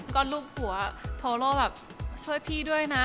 ก็รูปหัวโทโล่แบบช่วยพี่ด้วยนะ